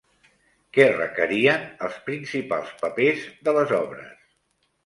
Què requerien els principals papers de les obres?